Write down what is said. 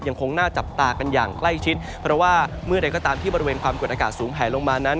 ยังคงน่าจับตากันอย่างใกล้ชิดเพราะว่าเมื่อใดก็ตามที่บริเวณความกดอากาศสูงแผลลงมานั้น